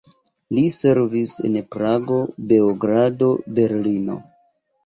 Li servis en Prago, Beogrado, Berlino.